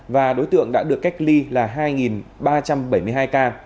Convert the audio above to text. và đối tượng đã được cách ly là hai ba trăm bảy mươi hai ca